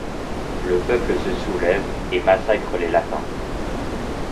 Le peuple se soulève et massacre les Latins.